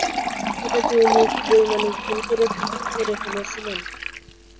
এটা জনৈক বৈমানিক ভুল করে করে ফেলেছিলেন।